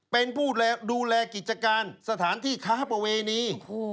เป็นผู้ดูแลกิจการสถานที่ค้าประเวณี